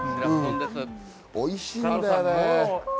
おいしいんだよね。